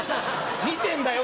見てんだよ